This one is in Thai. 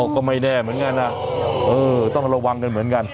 ก็ไม่แน่เหมือนกันต้องระวังกันเหมือนกัน